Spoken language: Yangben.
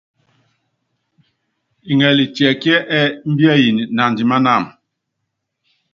Ngɛli tiɛkíɛ́ ɛ́ɛ́ imbiɛyini naandiman wam?